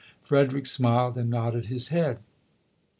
Frederick smiled and nodded his head.